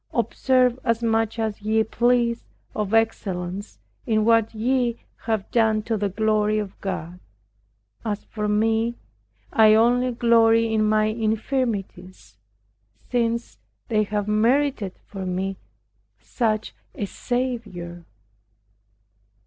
Observe as much as ye please of excellence in what ye have done to the glory of God. As for me, I only glory in my infirmities, since they have merited for me such a Saviour!